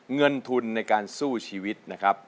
เงินทุนในการสู้ชีวิตนะครับ